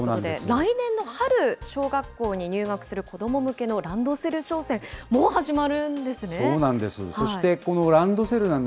来年の春、小学校に入学する子ども向けのランドセル商戦、もう始まるんですね。